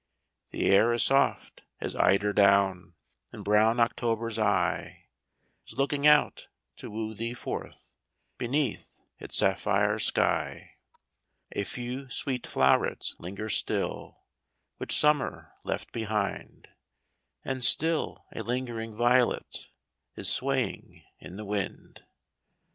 The air is soft as eider down ; And brown October's eye Is looking out to woo thee forth Beneath its sapphire sky. AN AUTUMN INVITATION. 115 A few sweet flow'rets linger still, Which Summer left behind ; And still a lingering violet Is swaying in the wind.